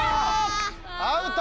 アウト！